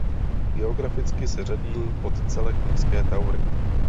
Geograficky se řadí pod celek Nízké Taury.